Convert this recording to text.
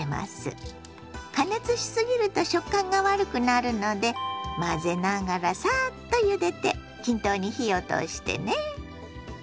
加熱しすぎると食感が悪くなるので混ぜながらサーッとゆでて均等に火を通してね。